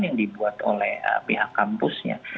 yang dibuat oleh pihak kampusnya